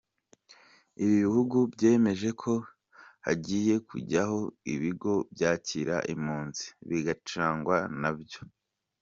Ibi bihugu byemeje ko hagiye kujyaho ibigo byakira impunzi bigacungwa nabyo.